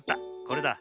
これだ。